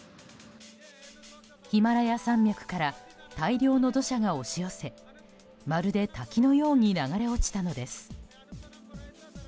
ヒマラヤ山脈から大量の土砂が押し寄せまるで滝のように流れ落ちたのです。